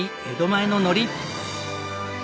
江戸前の海苔。